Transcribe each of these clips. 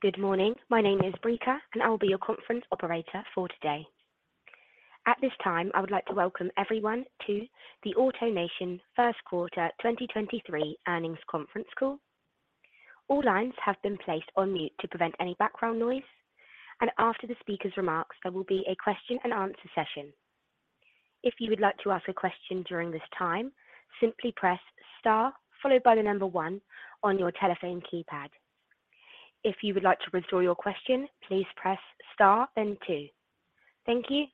Good morning. My name is Briana, and I will be your conference operator for today. At this time, I would like to welcome everyone to the AutoNation First Quarter 2023 Earnings Conference Call. All lines have been placed on mute to prevent any background noise, and after the speaker's remarks, there will be a question-and-answer session. If you would like to ask a question during this time, simply press star followed by one on your telephone keypad. If you would like to restore your question, please press star then two. Thank you.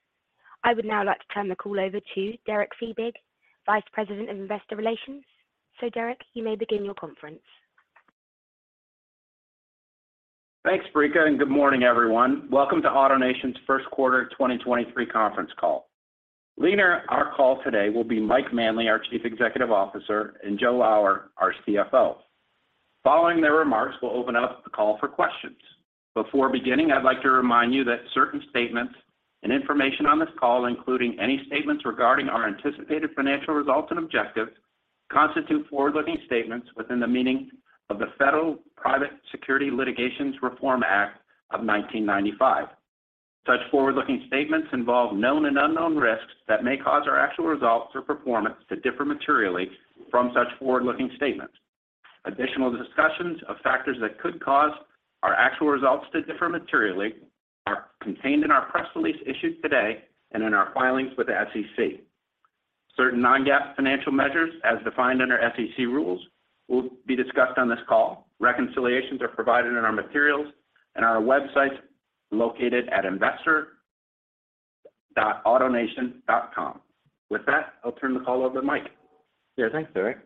I would now like to turn the call over to Derek Fiebig, Vice President of Investor Relations. Derek, you may begin your conference. Thanks, Briana. Good morning, everyone. Welcome to AutoNation's First Quarter 2023 conference call. Leading our call today will be Mike Manley, our Chief Executive Officer, and Joe Lower, our CFO. Following their remarks, we'll open up the call for questions. Before beginning, I'd like to remind you that certain statements and information on this call, including any statements regarding our anticipated financial results and objectives, constitute forward-looking statements within the meaning of the Federal Private Securities Litigation Reform Act of 1995. Such forward-looking statements involve known and unknown risks that may cause our actual results or performance to differ materially from such forward-looking statements. Additional discussions of factors that could cause our actual results to differ materially are contained in our press release issued today and in our filings with the SEC. Certain non-GAAP financial measures as defined under SEC rules will be discussed on this call. Reconciliations are provided in our materials in our websites located at investors.autonation.com. With that, I'll turn the call over to Mike. Yeah, thanks, Derek.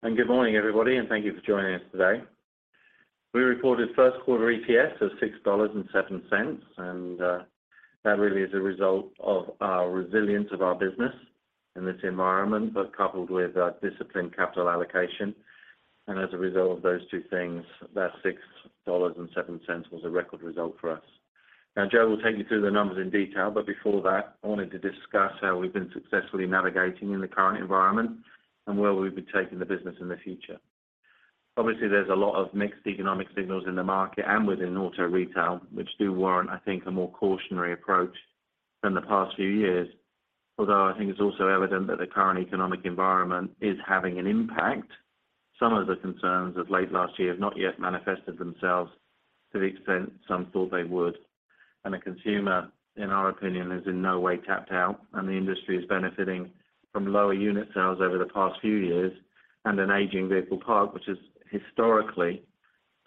Good morning, everybody, and thank you for joining us today. We reported first quarter EPS of $6.07, that really is a result of our resilience of our business in this environment, but coupled with disciplined capital allocation. As a result of those two things, that $6.07 was a record result for us. Now, Joe will take you through the numbers in detail, but before that, I wanted to discuss how we've been successfully navigating in the current environment and where we'll be taking the business in the future. Obviously, there's a lot of mixed economic signals in the market and within auto retail, which do warrant, I think, a more cautionary approach than the past few years. Although I think it's also evident that the current economic environment is having an impact, some of the concerns of late last year have not yet manifested themselves to the extent some thought they would. The consumer, in our opinion, is in no way tapped out, and the industry is benefiting from lower unit sales over the past few years and an aging vehicle park, which has historically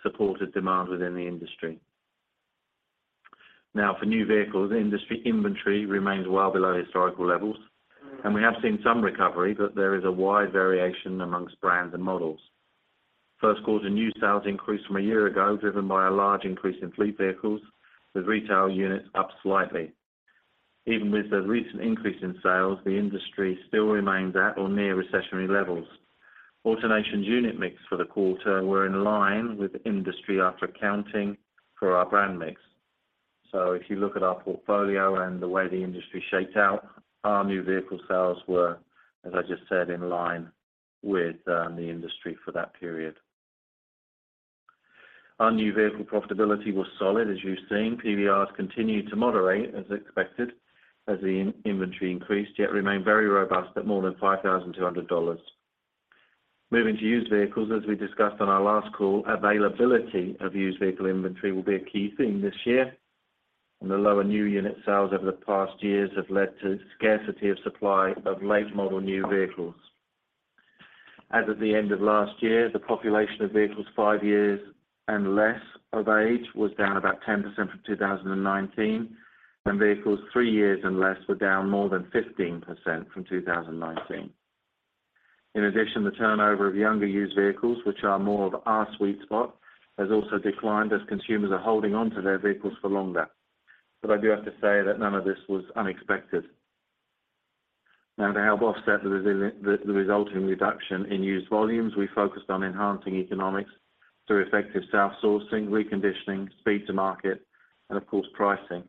supported demand within the industry. Now, for new vehicles, industry inventory remains well below historical levels, and we have seen some recovery, but there is a wide variation amongst brands and models. First quarter new sales increased from a year ago, driven by a large increase in fleet vehicles, with retail units up slightly. Even with the recent increase in sales, the industry still remains at or near recessionary levels. AutoNation's unit mix for the quarter were in line with industry after accounting for our brand mix. If you look at our portfolio and the way the industry shaped out, our new vehicle sales were, as I just said, in line with the industry for that period. Our new vehicle profitability was solid, as you've seen. PVRs continued to moderate as expected as the in-inventory increased, yet remained very robust at more than $5,200. As we discussed on our last call, availability of used vehicle inventory will be a key theme this year, and the lower new unit sales over the past years have led to scarcity of supply of late-model new vehicles. As at the end of last year, the population of vehicles five years and less of age was down about 10% from 2019, and vehicles three years and less were down more than 15% from 2019. In addition, the turnover of younger used vehicles, which are more of our sweet spot, has also declined as consumers are holding onto their vehicles for longer. I do have to say that none of this was unexpected. Now, to help offset the resulting reduction in used volumes, we focused on enhancing economics through effective self-sourcing, reconditioning, speed to market and of course, pricing.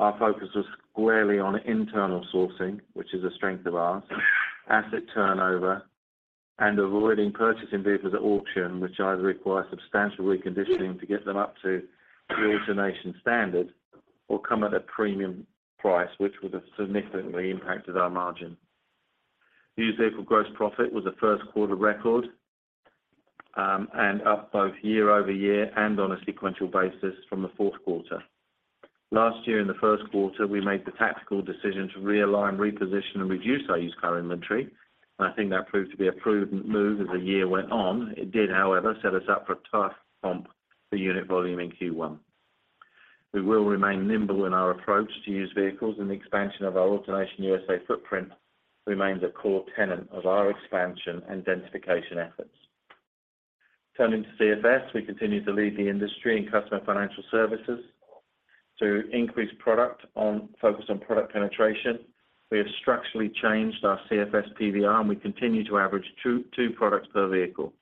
Our focus was squarely on internal sourcing, which is a strength of ours, asset turnover, and avoiding purchasing vehicles at auction, which either require substantial reconditioning to get them up to the AutoNation standard or come at a premium price, which would have significantly impacted our margin. Used vehicle gross profit was a first quarter record, and up both year-over-year and on a sequential basis from the fourth quarter. Last year in the first quarter, we made the tactical decision to realign, reposition, and reduce our used car inventory. I think that proved to be a prudent move as the year went on. It did, however, set us up for a tough comp for unit volume in Q1. We will remain nimble in our approach to used vehicles, and the expansion of our AutoNation USA footprint remains a core tenet of our expansion and densification efforts. Turning to CFS, we continue to lead the industry in customer financial services through increased focus on product penetration. We have structurally changed our CFS PVR, and we continue to average two products per vehicle.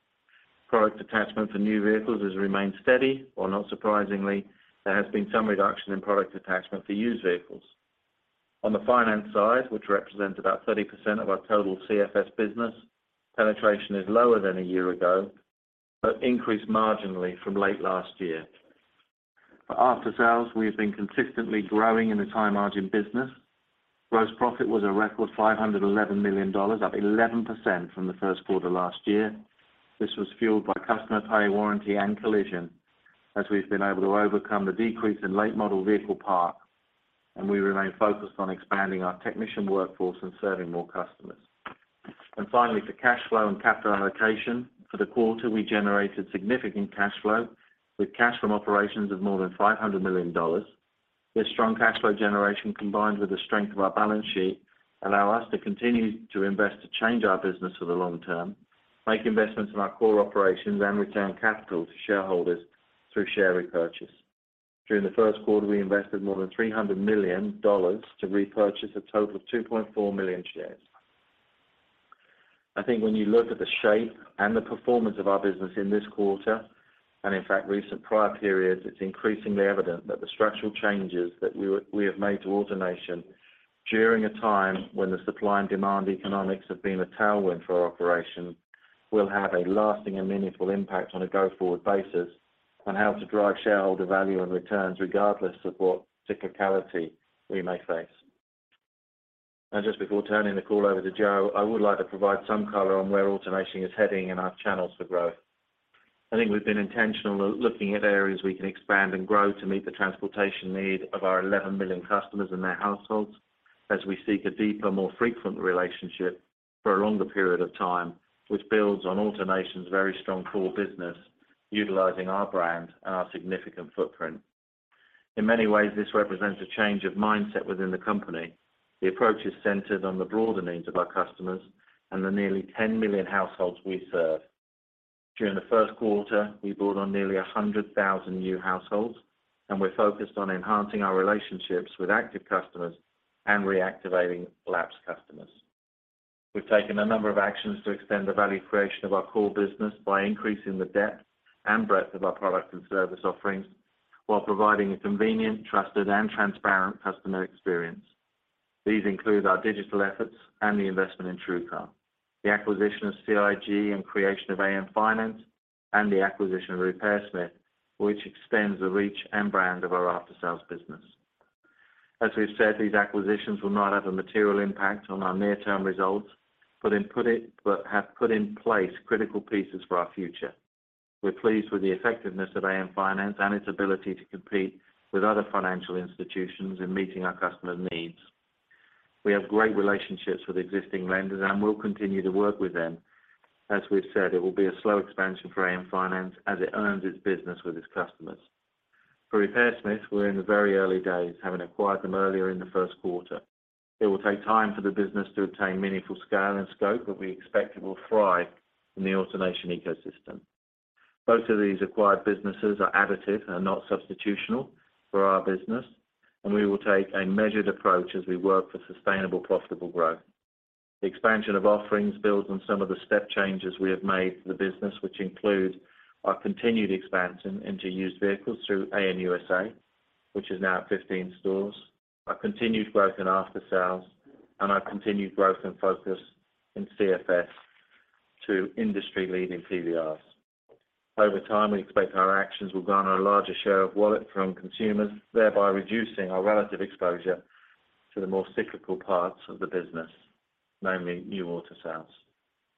Product attachment for new vehicles has remained steady, while not surprisingly, there has been some reduction in product attachment for used vehicles. On the finance side, which represents about 30% of our total CFS business, penetration is lower than a year ago, but increased marginally from late last year. For after-sales, we have been consistently growing in the high margin business. Gross profit was a record $511 million, up 11% from the first quarter last year. This was fueled by customer pay warranty and collision as we've been able to overcome the decrease in late model vehicle park. We remain focused on expanding our technician workforce and serving more customers. Finally, for cash flow and capital allocation. For the quarter, we generated significant cash flow with cash from operations of more than $500 million. This strong cash flow generation, combined with the strength of our balance sheet, allow us to continue to invest to change our business for the long term, make investments in our core operations, and return capital to shareholders through share repurchase. During the first quarter, we invested more than $300 million to repurchase a total of 2.4 million shares. I think when you look at the shape and the performance of our business in this quarter, and in fact recent prior periods, it's increasingly evident that the structural changes that we have, we have made to AutoNation during a time when the supply and demand economics have been a tailwind for our operation, will have a lasting and meaningful impact on a go-forward basis on how to drive shareholder value and returns regardless of what cyclicality we may face. just before turning the call over to Joe, I would like to provide some color on where AutoNation is heading and our channels for growth. I think we've been intentional looking at areas we can expand and grow to meet the transportation need of our 11 million customers and their households as we seek a deeper, more frequent relationship for a longer period of time, which builds on AutoNation's very strong core business utilizing our brand and our significant footprint. In many ways, this represents a change of mindset within the company. The approach is centered on the broader needs of our customers and the nearly 10 million households we serve. During the first quarter, we brought on nearly 100,000 new households. We're focused on enhancing our relationships with active customers and reactivating lapsed customers. We've taken a number of actions to extend the value creation of our core business by increasing the depth and breadth of our product and service offerings while providing a convenient, trusted, and transparent customer experience. These include our digital efforts and the investment in TrueCar, the acquisition of CIG and creation of AM Finance, and the acquisition of RepairSmith, which extends the reach and brand of our after-sales business. As we've said, these acquisitions will not have a material impact on our near-term results. Have put in place critical pieces for our future. We're pleased with the effectiveness of AM Finance and its ability to compete with other financial institutions in meeting our customers' needs. We have great relationships with existing lenders, and will continue to work with them. As we've said, it will be a slow expansion for AM Finance as it earns its business with its customers. For RepairSmith, we're in the very early days, having acquired them earlier in the first quarter. It will take time for the business to attain meaningful scale and scope, we expect it will thrive in the AutoNation ecosystem. Both of these acquired businesses are additive and not substitutional for our business, we will take a measured approach as we work for sustainable, profitable growth. The expansion of offerings builds on some of the step changes we have made to the business, which include our continued expansion into used vehicles through AM USA, which is now at 15 stores. Our continued growth in after sales and our continued growth and focus in CFS to industry-leading PVRs. Over time, we expect our actions will garner a larger share of wallet from consumers, thereby reducing our relative exposure to the more cyclical parts of the business, namely new auto sales.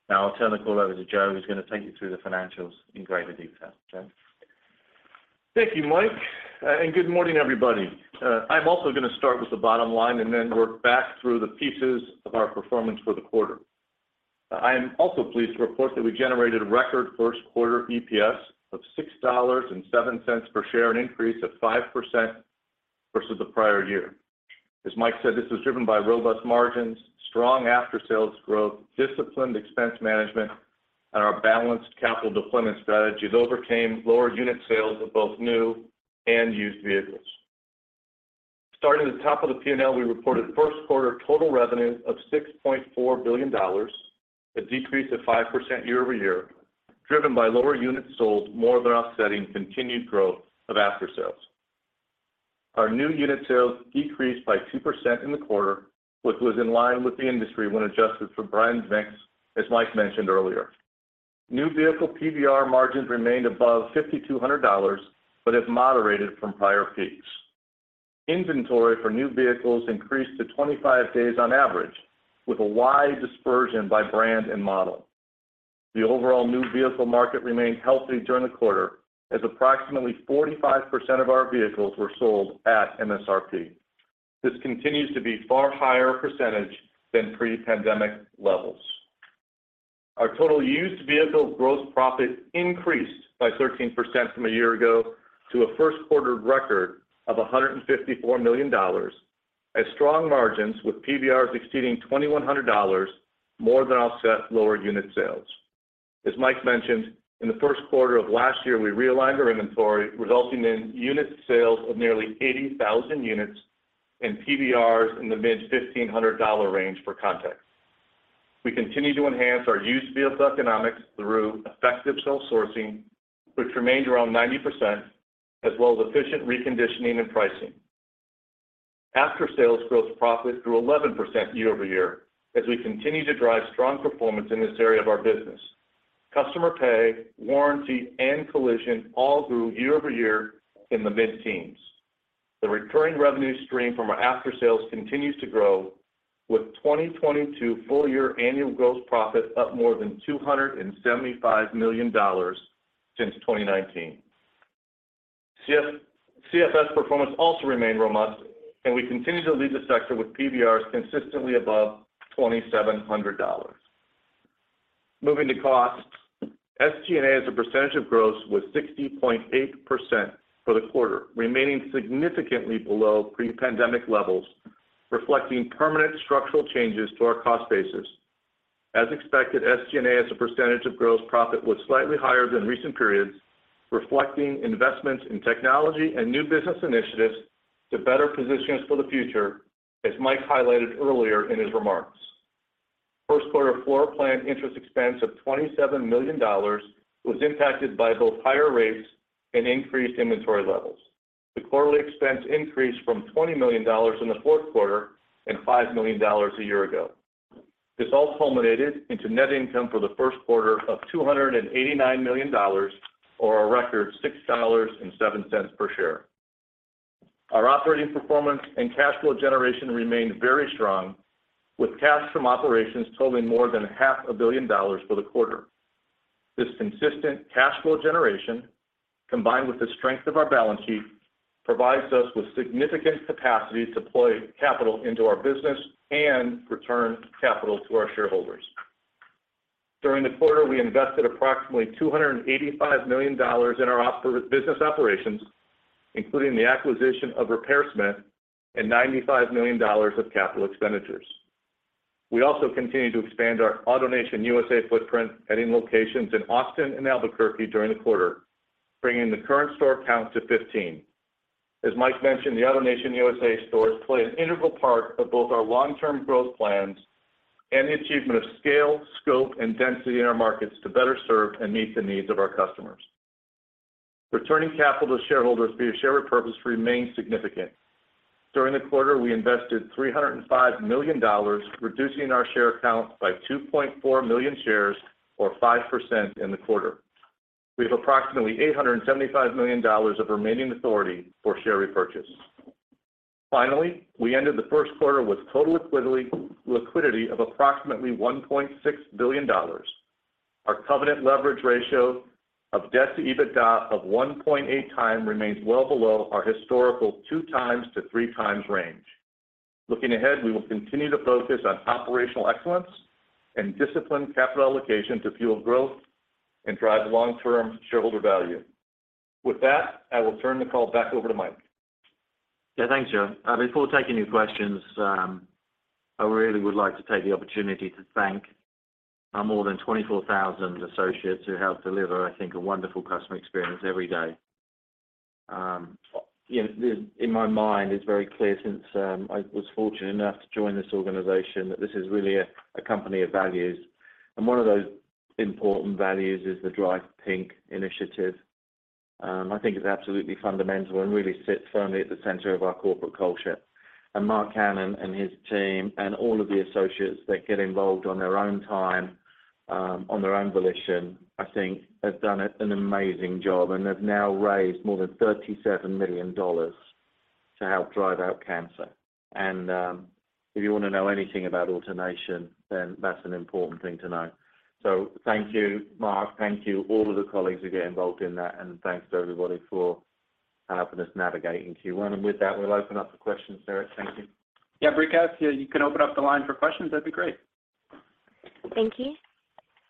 Now I'll turn the call over to Joe, who's going to take you through the financials in greater detail. Joe? Thank you, Mike. Good morning, everybody. I'm also going to start with the bottom line and then work back through the pieces of our performance for the quarter. I am also pleased to report that we generated a record first quarter EPS of $6.07 per share, an increase of 5% versus the prior year. As Mike said, this was driven by robust margins, strong after-sales growth, disciplined expense management, and our balanced capital deployment strategies overcame lower unit sales of both new and used vehicles. Starting at the top of the P&L, we reported first quarter total revenues of $6.4 billion, a decrease of 5% year-over-year, driven by lower units sold, more than offsetting continued growth of after sales. Our new unit sales decreased by 2% in the quarter, which was in line with the industry when adjusted for brand mix, as Mike mentioned earlier. New vehicle PVR margins remained above $5,200, but have moderated from prior peaks. Inventory for new vehicles increased to 25 days on average, with a wide dispersion by brand and model. The overall new vehicle market remained healthy during the quarter as approximately 45% of our vehicles were sold at MSRP. This continues to be far higher percentage than pre-pandemic levels. Our total used vehicle gross profit increased by 13% from a year ago to a first quarter record of $154 million as strong margins, with PVRs exceeding $2,100 more than offset lower unit sales. As Mike mentioned, in the first quarter of last year, we realigned our inventory, resulting in unit sales of nearly 80,000 units and PVRs in the mid $1,500 range for context. We continue to enhance our used vehicle economics through effective self-sourcing, which remained around 90%, as well as efficient reconditioning and pricing. After-sales growth profit grew 11% year-over-year as we continue to drive strong performance in this area of our business. Customer pay, warranty, and collision all grew year-over-year in the mid-teens. The recurring revenue stream from our after-sales continues to grow, with 2022 full year annual growth profit up more than $275 million since 2019. CFS performance also remained robust, and we continue to lead the sector with PVRs consistently above $2,700. Moving to cost, SG&A, as a percentage of gross, was 60.8% for the quarter, remaining significantly below pre-pandemic levels, reflecting permanent structural changes to our cost basis. As expected, SG&A, as a percentage of gross profit, was slightly higher than recent periods, reflecting investments in technology and new business initiatives to better position us for the future, as Mike highlighted earlier in his remarks. First quarter floor plan interest expense of $27 million was impacted by both higher rates and increased inventory levels. The quarterly expense increased from $20 million in the fourth quarter and $5 million a year ago. This all culminated into net income for the first quarter of $289 million, or a record $6.07 per share. Our operating performance and cash flow generation remained very strong, with cash from operations totaling more than half a billion dollars for the quarter. This consistent cash flow generation, combined with the strength of our balance sheet, provides us with significant capacity to deploy capital into our business and return capital to our shareholders. During the quarter, we invested approximately $285 million in our business operations, including the acquisition of RepairSmith and $95 million of capital expenditures. We also continued to expand our AutoNation USA footprint, adding locations in Austin and Albuquerque during the quarter, bringing the current store count to 15. As Mike mentioned, the AutoNation USA stores play an integral part of both our long-term growth plans and the achievement of scale, scope, and density in our markets to better serve and meet the needs of our customers. Returning capital to shareholders via share repurchase remains significant. During the quarter, we invested $305 million, reducing our share count by 2.4 million shares or 5% in the quarter. We have approximately $875 million of remaining authority for share repurchase. Finally, we ended the first quarter with total liquidity of approximately $1.6 billion. Our covenant leverage ratio of debt to EBITDA of 1.8 times remains well below our historical two times to three times range. Looking ahead, we will continue to focus on operational excellence and disciplined capital allocation to fuel growth and drive long-term shareholder value. With that, I will turn the call back over to Mike. Yeah. Thanks, Joe. Before taking your questions, I really would like to take the opportunity to thank our more than 24,000 associates who help deliver, I think, a wonderful customer experience every day. You know, in my mind, it's very clear since I was fortunate enough to join this organization that this is really a company of values. One of those important values is the Drive Pink initiative. I think it's absolutely fundamental and really sits firmly at the center of our corporate culture. Marc Cannon and his team and all of the associates that get involved on their own time, on their own volition, I think have done an amazing job and have now raised more than $37 million to help drive out cancer. If you wanna know anything about AutoNation, then that's an important thing to know. Thank you, Marc. Thank you, all of the colleagues who get involved in that, and thanks to everybody for helping us navigate in Q1. With that, we'll open up for questions, Sarah. Thank you. Yeah, Brianna, you can open up the line for questions. That'd be great. Thank you.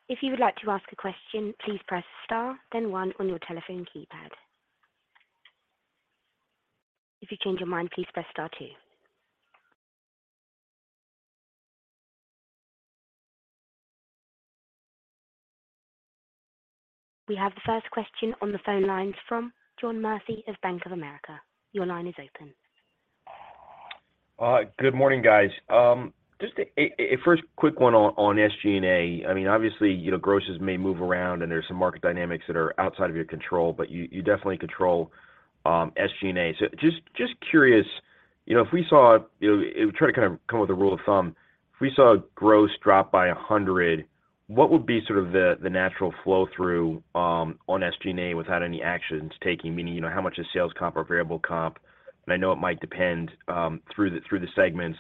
If you would like to ask a question, please press star then one on your telephone keypad. If you change your mind, please press star two. We have the first question on the phone lines from John Murphy of Bank of America. Your line is open. Good morning, guys. Just a first quick one on SG&A. I mean, obviously, you know, grosses may move around, and there's some market dynamics that are outside of your control, but you definitely control SG&A. Just curious, you know, if we saw... You know, try to kind of come up with a rule of thumb. If we saw gross drop by $100, what would be sort of the natural flow-through on SG&A without any actions taken? Meaning, you know, how much is sales comp or variable comp? I know it might depend through the segments.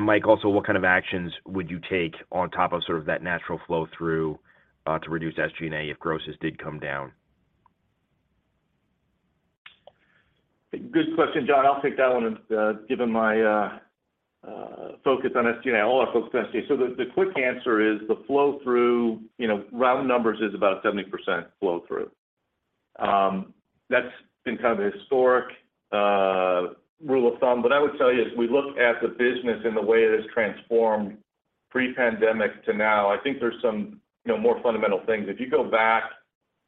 Mike, also, what kind of actions would you take on top of sort of that natural flow-through to reduce SG&A if grosses did come down? Good question, John. I'll take that one, given my focus on SG&A. All our folks focus on SG&A. The quick answer is the flow-through, you know, round numbers is about 70% flow-through. That's been kind of a historic rule of thumb. I would tell you, as we look at the business and the way it has transformed pre-pandemic to now, I think there's some, you know, more fundamental things. If you go back,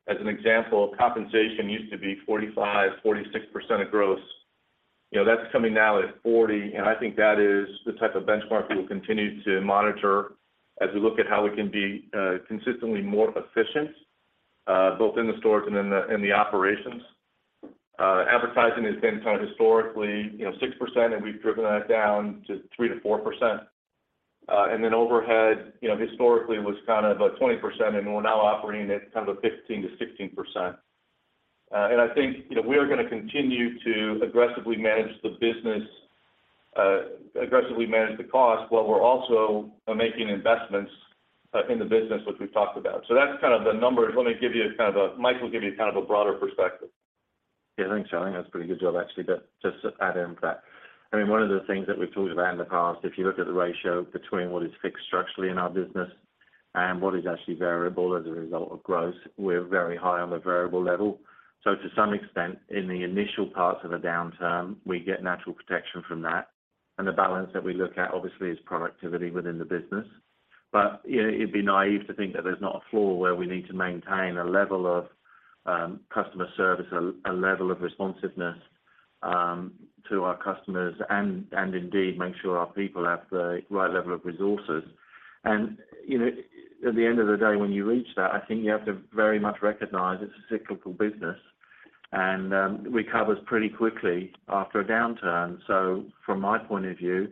as an example, compensation used to be 45%-46% of gross. You know, that's coming now at 40%, and I think that is the type of benchmark we will continue to monitor as we look at how we can be consistently more efficient, both in the stores and in the operations. Advertising has been kind of historically, you know, 6%, and we've driven that down to 3%-4%. Overhead, you know, historically was kind of about 20%, and we're now operating at kind of a 15%-16%. I think, you know, we are gonna continue to aggressively manage the business, aggressively manage the cost, while we're also making investments in the business, which we've talked about. That's kind of the numbers. Mike will give you kind of a broader perspective. Yeah, thanks, John. That's a pretty good job, actually. Just to add into that. I mean, one of the things that we've talked about in the past, if you look at the ratio between what is fixed structurally in our business and what is actually variable as a result of growth, we're very high on the variable level. To some extent, in the initial parts of a downturn, we get natural protection from that. The balance that we look at, obviously, is productivity within the business. It'd be naive to think that there's not a floor where we need to maintain a level of customer service, a level of responsiveness to our customers and indeed make sure our people have the right level of resources. You know, at the end of the day, when you reach that, I think you have to very much recognize it's a cyclical business and recovers pretty quickly after a downturn. From my point of view,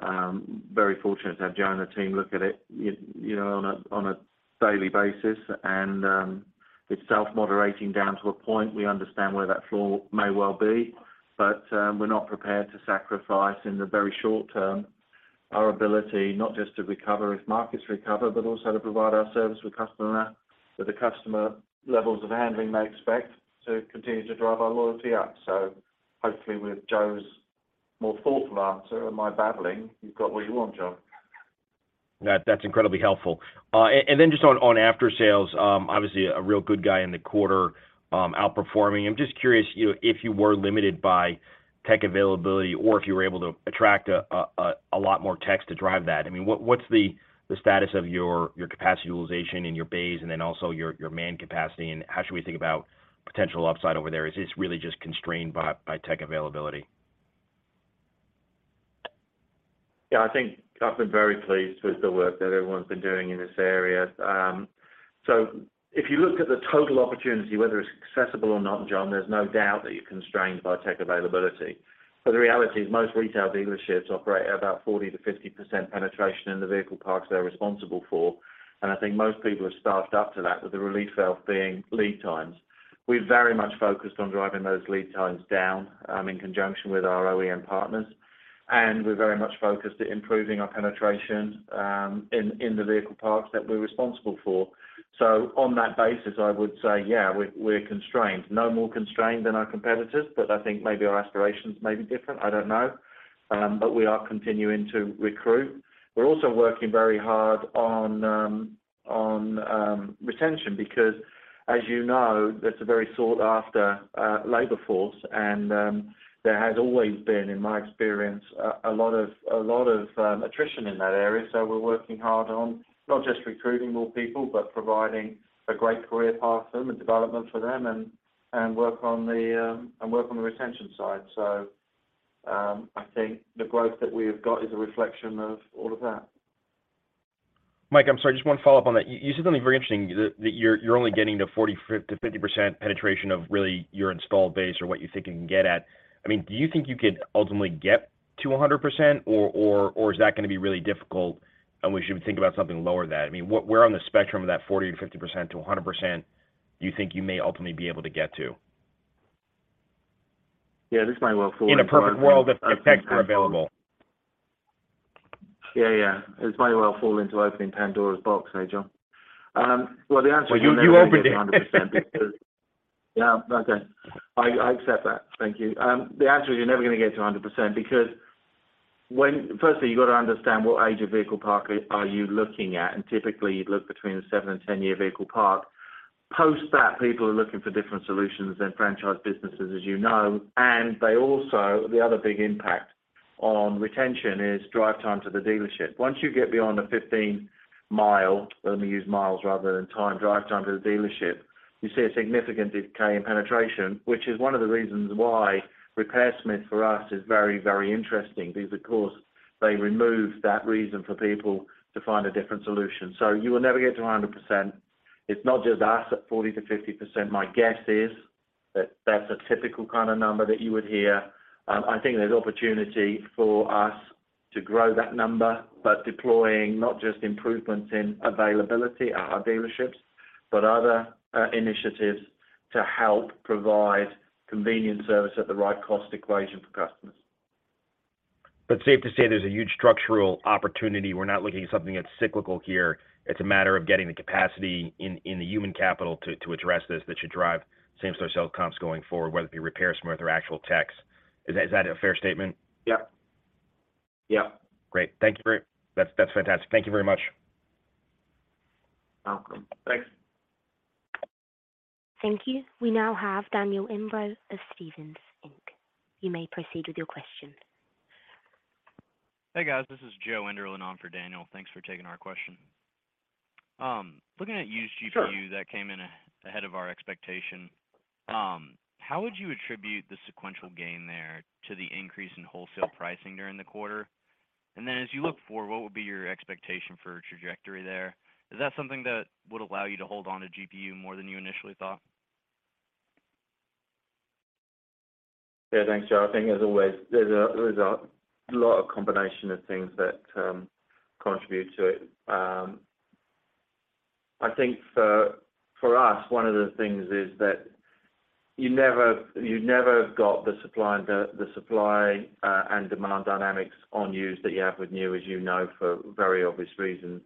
very fortunate to have Joe and the team look at it, you know, on a daily basis. It's self-moderating down to a point. We understand where that floor may well be, but we're not prepared to sacrifice in the very short term our ability not just to recover if markets recover, but also to provide our service with the customer levels of handling they expect to continue to drive our loyalty up. Hopefully with Joe's more thoughtful answer and my babbling, you've got what you want, John. That's incredibly helpful. Then just on aftersales, obviously a real good guy in the quarter, outperforming. I'm just curious, you know, if you were limited by tech availability or if you were able to attract a lot more techs to drive that. I mean, what's the status of your capacity utilization in your base and then also your man capacity, and how should we think about potential upside over there? Is this really just constrained by tech availability? Yeah, I think I've been very pleased with the work that everyone's been doing in this area. If you look at the total opportunity, whether it's accessible or not, John, there's no doubt that you're constrained by tech availability. The reality is most retail dealerships operate at about 40%-50% penetration in the vehicle parks they're responsible for. I think most people have staffed up to that, with the relief valve being lead times. We're very much focused on driving those lead times down, in conjunction with our OEM partners, and we're very much focused at improving our penetration, in the vehicle parks that we're responsible for. On that basis, I would say, yeah, we're constrained. No more constrained than our competitors, but I think maybe our aspirations may be different. I don't know. We are continuing to recruit. We're also working very hard on retention because as you know, that's a very sought after labor force. There has always been, in my experience, a lot of attrition in that area. We're working hard on not just recruiting more people, but providing a great career path for them and development for them and work on the retention side. I think the growth that we have got is a reflection of all of that. Mike, I'm sorry, just one follow-up on that. You said something very interesting, that you're only getting to 40%, 50% penetration of really your installed base or what you think you can get at. I mean, do you think you could ultimately get to a 100%? Or is that gonna be really difficult, and we should think about something lower than that? I mean, where on the spectrum of that 40%-50% to a 100% do you think you may ultimately be able to get to? Yeah, this may well. In a perfect world, if techs are available. Yeah, yeah. This may well fall into opening Pandora's box, eh, John? well. Well, you opened it. Okay. I accept that. Thank you. The answer is you're never gonna get to 100% because firstly, you got to understand what age of vehicle park are you looking at. Typically you'd look between a seven and 10 year vehicle park. Post that, people are looking for different solutions than franchise businesses, as you know. They also, the other big impact on retention is drive time to the dealership. Once you get beyond the 15 mile, let me use miles rather than time, drive time to the dealership, you see a significant decay in penetration, which is one of the reasons why RepairSmith for us is very, very interesting because of course they remove that reason for people to find a different solution. You will never get to 100%. It's not just us at 40%-50%. My guess is that that's a typical kind of number that you would hear. I think there's opportunity for us to grow that number, but deploying not just improvements in availability at our dealerships, but other initiatives to help provide convenient service at the right cost equation for customers. Safe to say there's a huge structural opportunity. We're not looking at something that's cyclical here. It's a matter of getting the capacity in the human capital to address this that should drive same-store sales comps going forward, whether it be RepairSmith or actual techs. Is that a fair statement? Yep. Yep. Great. That's fantastic. Thank you very much. Welcome. Thanks. Thank you. We now have Daniel Imbro of Stephens Inc. You may proceed with your question. Hey guys, this is Joseph Enderlin on for Daniel. Thanks for taking our question. looking at used GPU-. Sure. that came in ahead of our expectation. How would you attribute the sequential gain there to the increase in wholesale pricing during the quarter? As you look forward, what would be your expectation for trajectory there? Is that something that would allow you to hold on to GPU more than you initially thought? Yeah. Thanks, Joe. I think as always, there's a lot of combination of things that contribute to it. I think for us, one of the things is that you never got the supply and demand dynamics on used that you have with new, as you know, for very obvious reasons.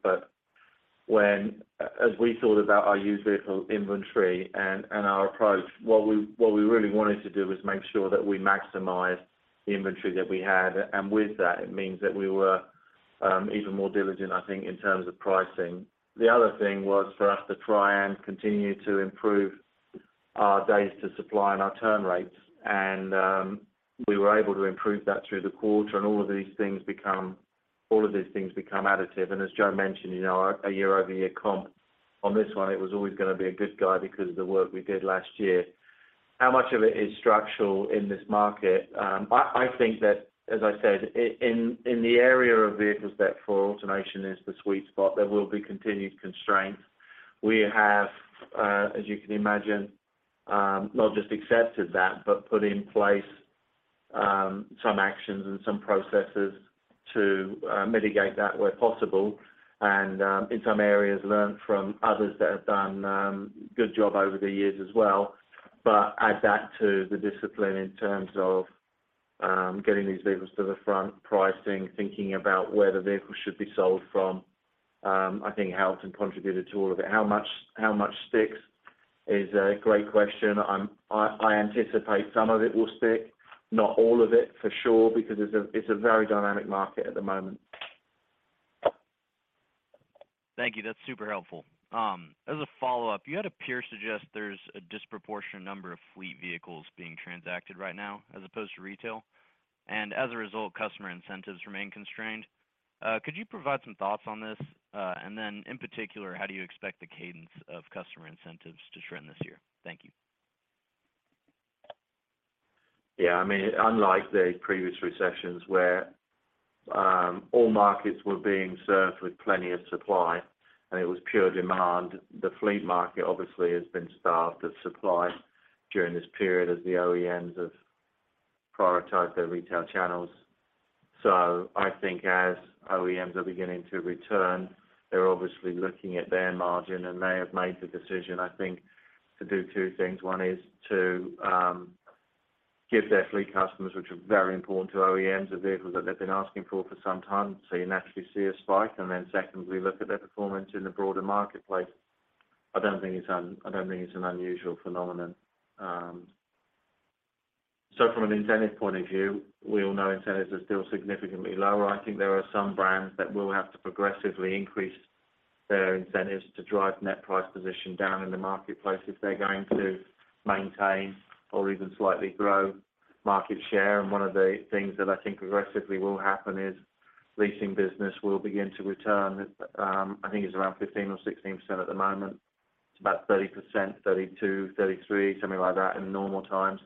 As we thought about our used vehicle inventory and our approach, what we really wanted to do was make sure that we maximize the inventory that we had. With that, it means that we were even more diligent, I think, in terms of pricing. The other thing was for us to try and continue to improve our days to supply and our turn rates. We were able to improve that through the quarter. All of these things become additive. As Joe mentioned, you know, our year-over-year comp on this one, it was always gonna be a good guy because of the work we did last year. How much of it is structural in this market? I think that, as I said, in the area of vehicles that for AutoNation is the sweet spot, there will be continued constraints. We have, as you can imagine, not just accepted that, but put in place some actions and some processes to mitigate that where possible. In some areas, learned from others that have done, good job over the years as well. Add that to the discipline in terms of getting these vehicles to the front, pricing, thinking about where the vehicle should be sold from, I think helped and contributed to all of it. How much, how much sticks is a great question. I anticipate some of it will stick, not all of it for sure, because it's a, it's a very dynamic market at the moment. Thank you. That's super helpful. As a follow-up, you had a peer suggest there's a disproportionate number of fleet vehicles being transacted right now as opposed to retail. As a result, customer incentives remain constrained. Could you provide some thoughts on this? Then in particular, how do you expect the cadence of customer incentives to trend this year? Thank you. I mean, unlike the previous recessions where all markets were being served with plenty of supply and it was pure demand, the fleet market obviously has been starved of supply during this period as the OEMs have prioritized their retail channels. I think as OEMs are beginning to return, they're obviously looking at their margin and may have made the decision, I think, to do two things. One is to give their fleet customers, which are very important to OEMs, the vehicle that they've been asking for for some time, so you naturally see a spike. Secondly, look at their performance in the broader marketplace. I don't think it's an unusual phenomenon. From an incentive point of view, we all know incentives are still significantly lower. I think there are some brands that will have to progressively increase their incentives to drive net price position down in the marketplace if they're going to maintain or even slightly grow market share. One of the things that I think aggressively will happen is leasing business will begin to return. I think it's around 15% or 16% at the moment. It's about 30%, 32%, 33%, something like that in normal times.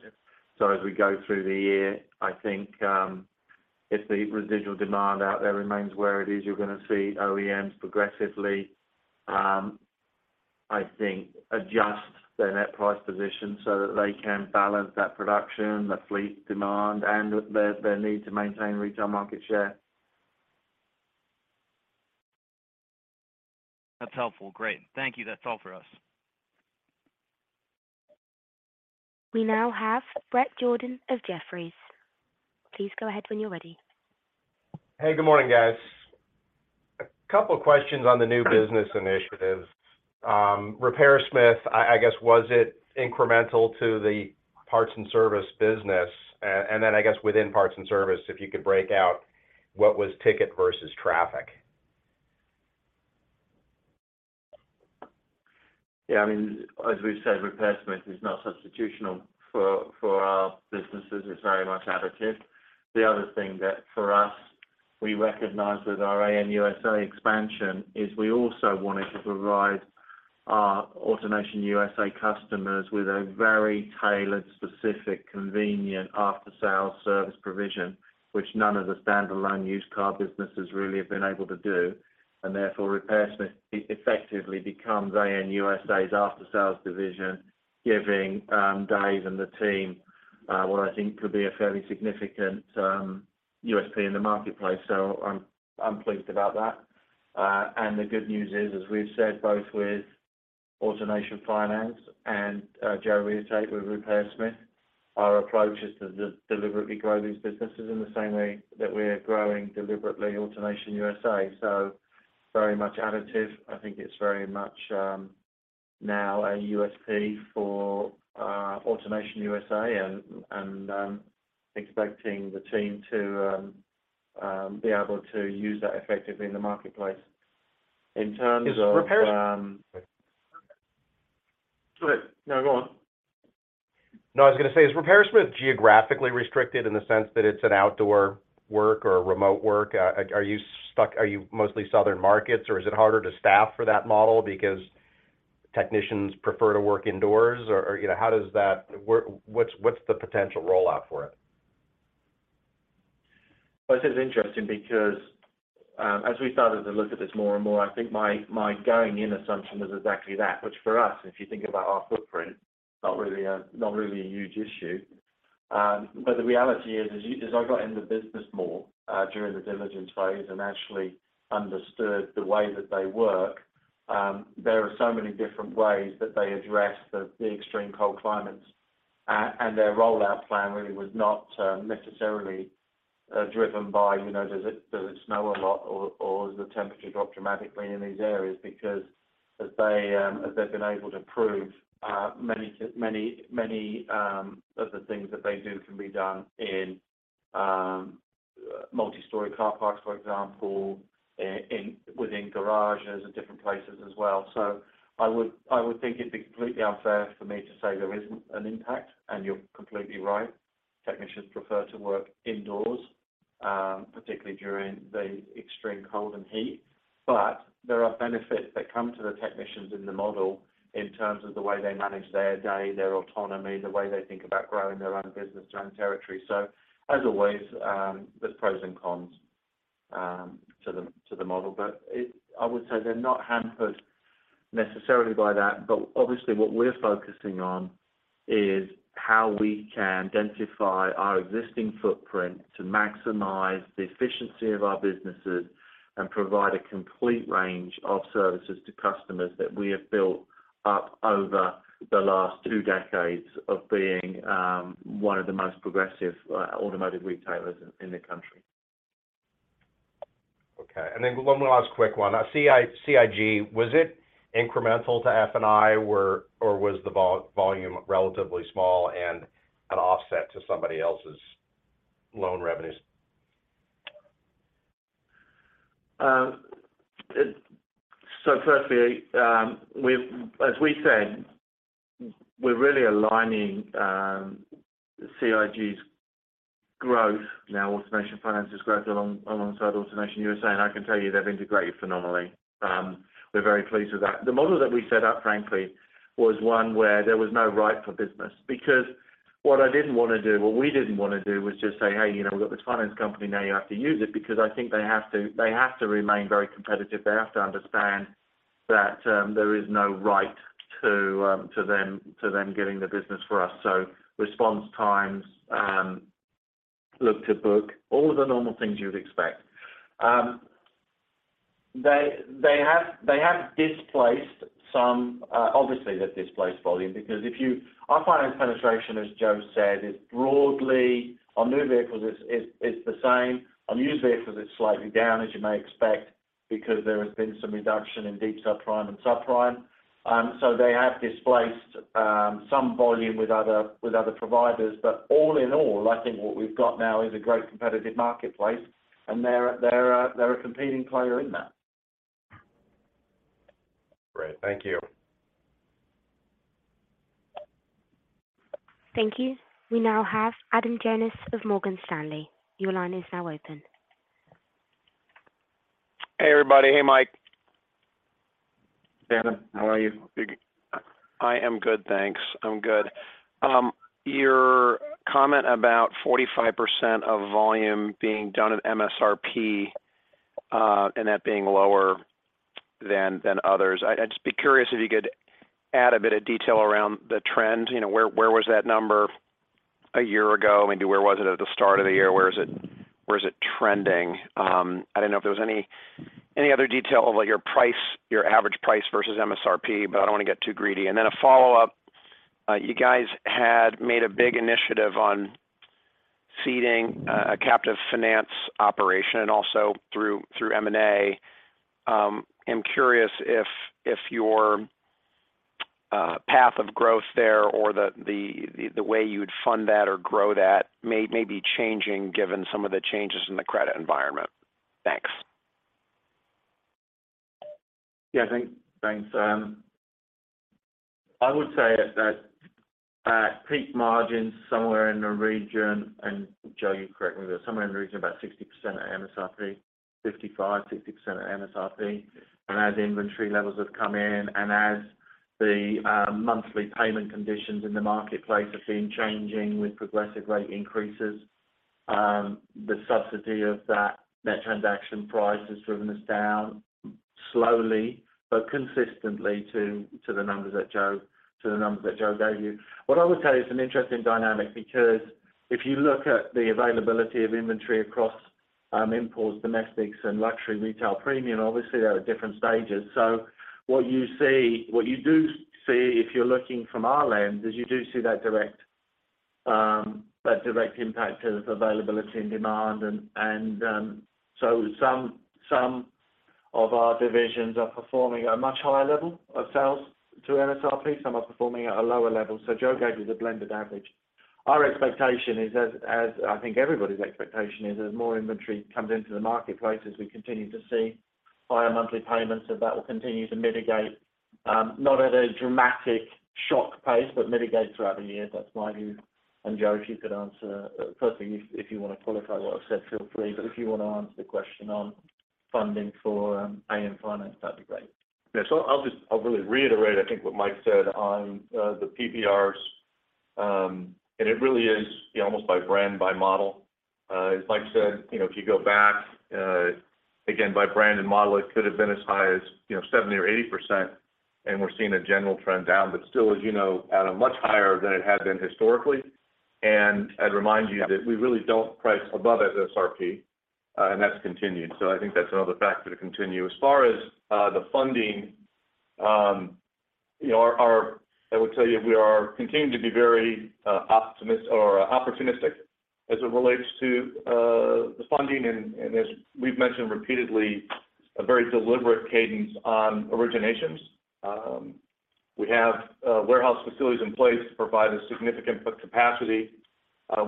As we go through the year, I think, if the residual demand out there remains where it is, you're gonna see OEMs progressively, I think adjust their net price position so that they can balance that production, the fleet demand, and their need to maintain retail market share. That's helpful. Great. Thank you. That's all for us. We now have Bret Jordan of Jefferies. Please go ahead when you're ready. Hey, good morning, guys. A couple questions on the new business initiatives. RepairSmith, I guess was it incremental to the parts and service business? Then I guess within parts and service, if you could break out what was ticket versus traffic? Yeah, I mean, as we've said, RepairSmith is not substitutional for our businesses. It's very much additive. The other thing that for us, we recognize with our AN USA expansion is we also wanted to provide our AutoNation USA customers with a very tailored, specific, convenient after-sale service provision, which none of the standalone used car businesses really have been able to do. Therefore, RepairSmith effectively becomes AN USA's after-sales division, giving Dave and the team what I think could be a fairly significant USP in the marketplace. I'm pleased about that. The good news is, as we've said, both with AutoNation Finance and Joe reiterated with RepairSmith, our approach is to deliberately grow these businesses in the same way that we are growing deliberately AutoNation USA. Very much additive. I think it's very much, now a USP for AutoNation USA and expecting the team to be able to use that effectively in the marketplace. Is RepairSmith? Sorry. No, go on. No, I was going to say, is RepairSmith geographically restricted in the sense that it's an outdoor work or remote work? Are you mostly Southern markets or is it harder to staff for that model because technicians prefer to work indoors? You know, how does that work? What's the potential rollout for it? This is interesting because, as we started to look at this more and more, I think my going in assumption was exactly that. Which for us, if you think about our footprint, not really a huge issue. The reality is, as I got in the business more, during the diligence phase and actually understood the way that they work, there are so many different ways that they address the extreme cold climates. Their rollout plan really was not, necessarily, driven by, you know, does it snow a lot or does the temperature drop dramatically in these areas? Because as they, as they've been able to prove, many of the things that they do can be done in multi-story car parks, for example, within garages and different places as well. I would think it'd be completely unfair for me to say there isn't an impact. You're completely right. Technicians prefer to work indoors, particularly during the extreme cold and heat. There are benefits that come to the technicians in the model in terms of the way they manage their day, their autonomy, the way they think about growing their own business, their own territory. As always, there's pros and cons to the model. I would say they're not hampered necessarily by that. Obviously what we're focusing on is how we can densify our existing footprint to maximize the efficiency of our businesses and provide a complete range of services to customers that we have built up over the last two decades of being, one of the most progressive automotive retailers in the country. Okay. One last quick one. CIG, was it incremental to F&I, or was the volume relatively small and an offset to somebody else's loan revenues? Firstly, as we said, we're really aligning CIG's growth now AutoNation Finance has growth alongside AutoNation USA, and I can tell you they've integrated phenomenally. We're very pleased with that. The model that we set up, frankly, was one where there was no right for business, because what I didn't want to do, what we didn't want to do was just say, "Hey, you know, we've got this finance company, now you have to use it." I think they have to remain very competitive. They have to understand that there is no right to them getting the business for us. Response times, look to book all of the normal things you would expect. They have displaced some, obviously they've displaced volume because our finance penetration, as Joe said, is broadly on new vehicles it's the same. On used vehicles it's slightly down, as you may expect, because there has been some reduction in deep subprime and subprime. They have displaced some volume with other providers. All in all, I think what we've got now is a great competitive marketplace, and they're a competing player in that. Great. Thank you. Thank you. We now have Adam Jonas of Morgan Stanley. Your line is now open. Hey, everybody. Hey, Mike. Adam, how are you? I am good, thanks. I'm good. Your comment about 45% of volume being done at MSRP, and that being lower than others. I'd just be curious if you could add a bit of detail around the trend. You know, where was that number a year ago? Maybe where was it at the start of the year? Where is it trending? I don't know if there was any other detail about your price, your average price versus MSRP, but I don't want to get too greedy. Then a follow-up. You guys had made a big initiative on seeding a captive finance operation and also through M&A. I'm curious if your path of growth there or the way you would fund that or grow that may be changing given some of the changes in the credit environment. Thanks. Yeah, thanks. I would say that at peak margins somewhere in the region, and Joe, you correct me, but somewhere in the region about 60% at MSRP, 55%, 60% at MSRP. As inventory levels have come in and as the monthly payment conditions in the marketplace have been changing with progressive rate increases, the subsidy of that net transaction price has driven us down slowly but consistently to the numbers that Joe gave you. What I would tell you, it's an interesting dynamic because if you look at the availability of inventory across imports, domestics, and luxury retail premium, obviously they're at different stages. What you do see if you're looking from our lens is you do see that direct impact of availability and demand. Some of our divisions are performing at a much higher level of sales to MSRP, some are performing at a lower level. Joe gave you the blended average. Our expectation is as I think everybody's expectation is, as more inventory comes into the marketplace, as we continue to see higher monthly payments, that will continue to mitigate, not at a dramatic shock pace, but mitigate throughout the year. That's my view. Joe, if you could answer. Firstly, if you want to qualify what I've said, feel free. If you want to answer the question on funding for AM Finance, that'd be great. I'll really reiterate, I think, what Mike said on the PVRs. It really is, you know, almost by brand, by model. As Mike said, you know, if you go back again, by brand and model, it could have been as high as, you know, 70% or 80%, and we're seeing a general trend down. But still, as you know, at a much higher than it had been historically. I'd remind you that we really don't price above at SRP, and that's continued. I think that's another factor to continue. As far as the funding, you know, I would tell you, we are continuing to be very opportunistic as it relates to the funding and as we've mentioned repeatedly, a very deliberate cadence on originations. We have warehouse facilities in place to provide a significant capacity.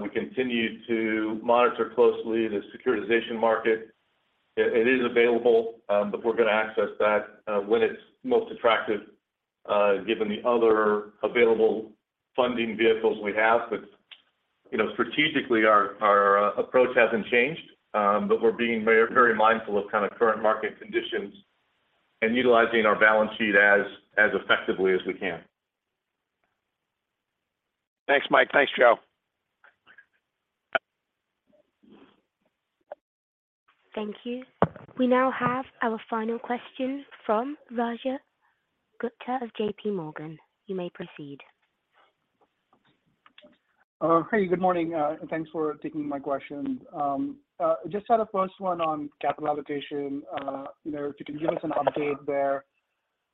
We continue to monitor closely the securitization market. It is available, but we're gonna access that when it's most attractive, given the other available funding vehicles we have. You know, strategically, our approach hasn't changed, but we're being very mindful of kind of current market conditions and utilizing our balance sheet as effectively as we can. Thanks, Mike. Thanks, Joe. Thank you. We now have our final question from Rajat Gupta of J.P. Morgan. You may proceed. Hey, good morning. Thanks for taking my question. Just sort of first one on capital allocation. You know, if you can give us an update there.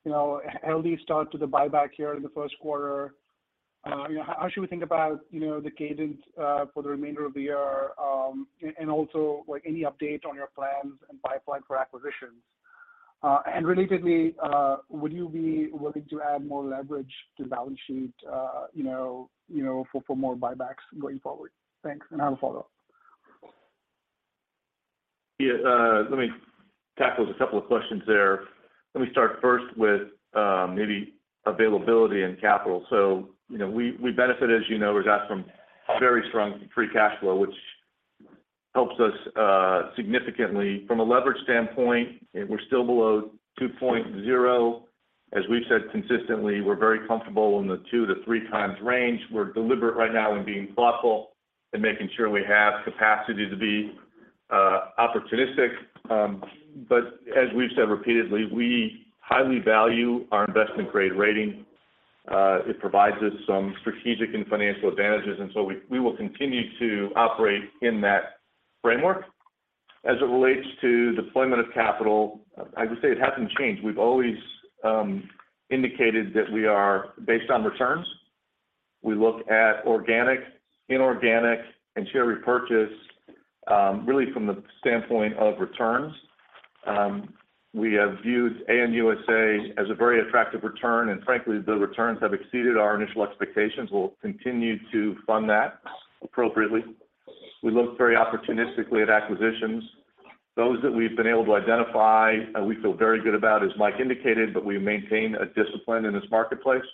You know, how do you start to the buyback here in the first quarter? You know, how should we think about, you know, the cadence for the remainder of the year? Also, like any update on your plans and pipeline for acquisitions? Relatedly, would you be willing to add more leverage to the balance sheet, you know, for more buybacks going forward? Thanks. I have a follow-up. Let me tackle a couple of questions there. Let me start first with, maybe availability and capital. You know, we benefit, as you know, Raj, from very strong free cash flow, which helps us significantly. From a leverage standpoint, we're still below 2.0. As we've said consistently, we're very comfortable in the 2-3 times range. We're deliberate right now in being thoughtful and making sure we have capacity to be opportunistic. As we've said repeatedly, we highly value our investment-grade rating. It provides us some strategic and financial advantages, we will continue to operate in that framework. As it relates to deployment of capital, I'd just say it hasn't changed. We've always indicated that we are based on returns. We look at organic, inorganic, and share repurchase, really from the standpoint of returns. We have viewed AutoNation USA as a very attractive return, and frankly, the returns have exceeded our initial expectations. We'll continue to fund that appropriately. We look very opportunistically at acquisitions. Those that we've been able to identify, we feel very good about, as Mike indicated, but we maintain a discipline in this marketplace.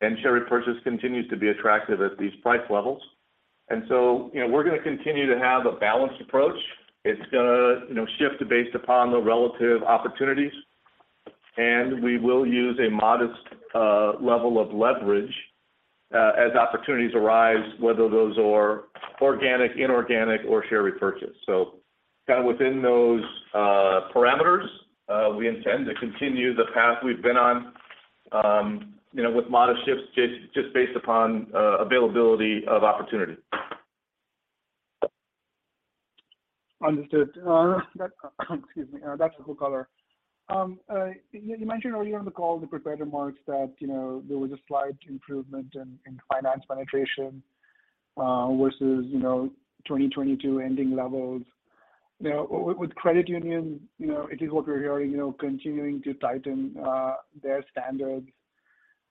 Share repurchase continues to be attractive at these price levels. You know, we're gonna continue to have a balanced approach. It's gonna, you know, shift based upon the relative opportunities. We will use a modest level of leverage, as opportunities arise, whether those are organic, inorganic, or share repurchase. kind of within those parameters, we intend to continue the path we've been on, you know, with modest shifts just based upon availability of opportunity. Understood. excuse me. That's a good color. you mentioned earlier on the call, the prepared remarks that, you know, there was a slight improvement in finance penetration, versus, you know, 2022 ending levels. You know, with credit unions, you know, it is what we're hearing, you know, continuing to tighten, their standards.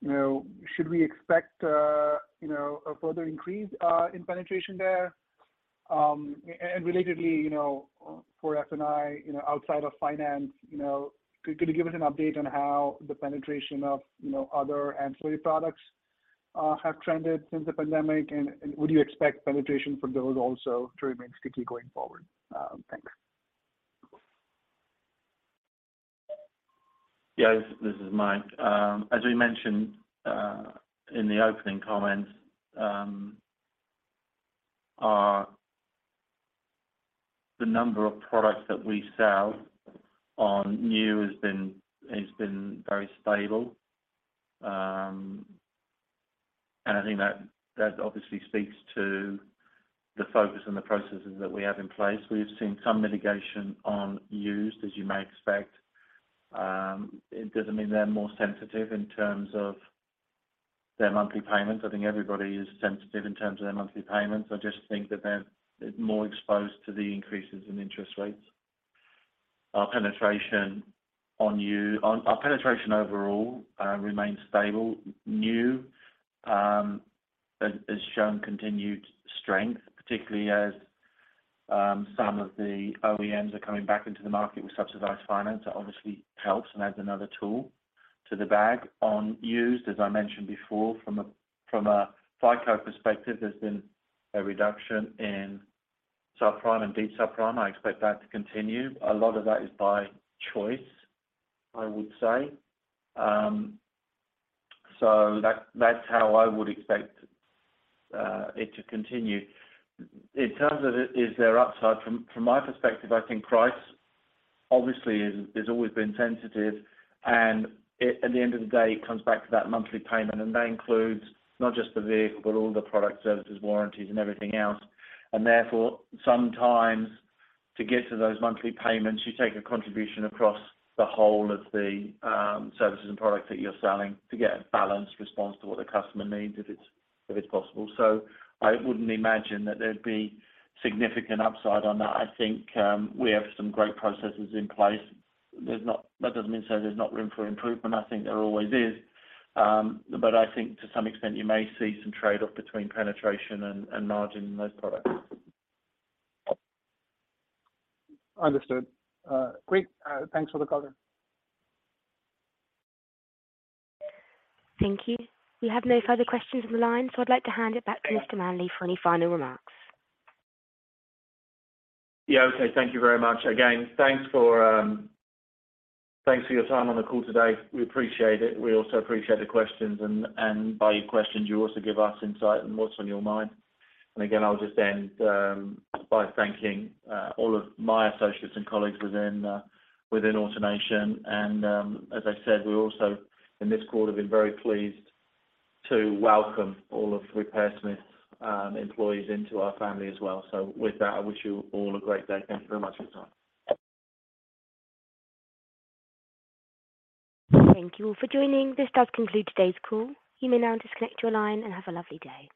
You know, should we expect, you know, a further increase, in penetration there? Relatedly, you know, for F&I, you know, outside of finance, you know, could you give us an update on how the penetration of, you know, other ancillary products, have trended since the pandemic? Would you expect penetration for those also to remain sticky going forward? thanks. This is Mike. As we mentioned, in the opening comments, the number of products that we sell on new has been very stable. I think that obviously speaks to the focus and the processes that we have in place. We've seen some mitigation on used, as you may expect. It doesn't mean they're more sensitive in terms of their monthly payments. I think everybody is sensitive in terms of their monthly payments. I just think that they're more exposed to the increases in interest rates. Our penetration on our penetration overall remains stable. New has shown continued strength, particularly as some of the OEMs are coming back into the market with subsidized finance. That obviously helps and adds another tool to the bag. On used, as I mentioned before, from a FICO perspective, there's been a reduction in subprime and deep subprime. I expect that to continue. A lot of that is by choice, I would say. That's how I would expect it to continue. In terms of it, is there upside? From my perspective, I think price obviously is always been sensitive, at the end of the day, it comes back to that monthly payment, that includes not just the vehicle, but all the product services, warranties, and everything else. Therefore, sometimes to get to those monthly payments, you take a contribution across the whole of the services and products that you're selling to get a balanced response to what the customer needs if it's possible. I wouldn't imagine that there'd be significant upside on that. I think, we have some great processes in place. That doesn't mean to say there's not room for improvement. I think there always is. I think to some extent, you may see some trade-off between penetration and margin in those products. Understood. Great. Thanks for the color. Thank you. We have no further questions on the line, so I'd like to hand it back to Mr. Manley for any final remarks. Yeah. Okay. Thank you very much. Again, thanks for, thanks for your time on the call today. We appreciate it. We also appreciate the questions. By your questions, you also give us insight on what's on your mind. Again, I'll just end by thanking all of my associates and colleagues within AutoNation. As I said, we also, in this quarter, have been very pleased to welcome all of RepairSmith employees into our family as well. With that, I wish you all a great day. Thank you very much for your time. Thank you all for joining. This does conclude today's call. You may now disconnect your line and have a lovely day.